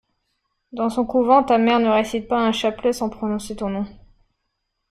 Dans son couvent, ta mère ne récite pas un chapelet sans prononcer ton nom.